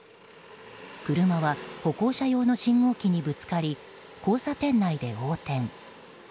車は歩行者用の信号機にぶつかり交差点内で横転。